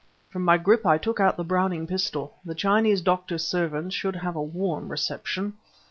_ From my grip I took out the Browning pistol. The Chinese doctor's servants should have a warm reception.